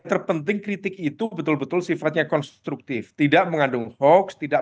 terpenting kritik itu betul betul sifatnya konstruktif tidak mengandung hoax tidak